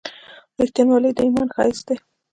• رښتینولي د ایمان ښایست دی.